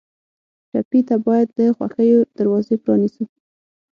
ټپي ته باید د خوښیو دروازې پرانیزو.